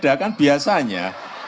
di sepeda kan biasanya